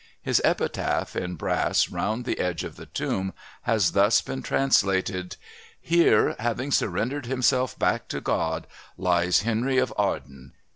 His epitaph in brass round the edge of the tomb has thus been translated: "'Here, having surrendered himself back to God, lies Henry of Arden.